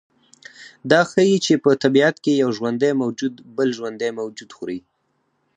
دا ښیي چې په طبیعت کې یو ژوندی موجود بل ژوندی موجود خوري